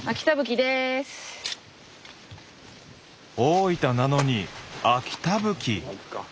大分なのに秋田ぶき。